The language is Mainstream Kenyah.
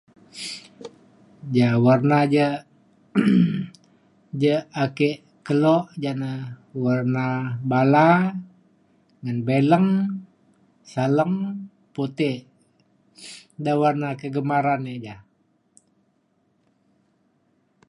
Ja warna ja ja ake kelo ja na warna bala ngan bileng saleng putek da warna kegemaran e ja.